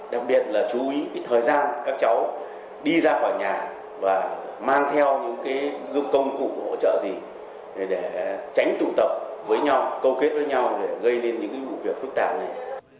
đặc biệt là chú ý thời gian các cháu đi ra khỏi nhà và mang theo những công cụ hỗ trợ gì để tránh tụ tập với nhau câu kết với nhau để gây nên những vụ việc phức tạp này